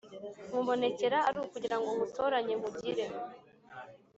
Nkubonekera ari ukugira ngo ngutoranye nkugire